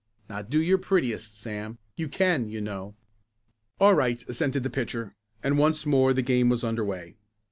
Now do your prettiest Sam. You can, you know." "All right," assented the pitcher, and once more the game was underway.